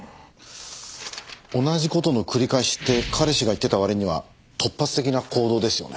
同じ事の繰り返しって彼氏が言ってた割には突発的な行動ですよね。